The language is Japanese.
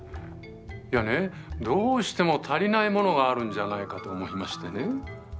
いやねどうしても足りないものがあるんじゃないかと思いましてね。